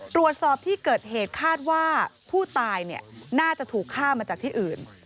ตรวจสอบที่เกิดเหตุคาดว่าผู้ตายน่าจะถูกฆ่ามาจากที่อื่น